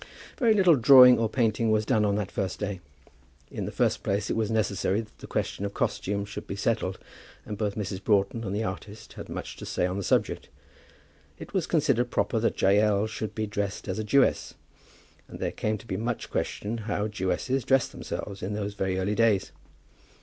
Very little drawing or painting was done on that day. In the first place it was necessary that the question of costume should be settled, and both Mrs. Broughton and the artist had much to say on the subject. It was considered proper that Jael should be dressed as a Jewess, and there came to be much question how Jewesses dressed themselves in those very early days.